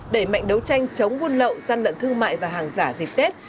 đẩy mạnh đấu tranh chống buôn lậu gian lận thương mại và hàng giả dịp tết